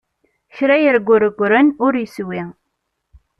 Kra yerregregren ur yeswi!